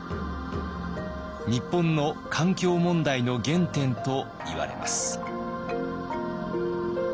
日本の環境問題の原点といわれます。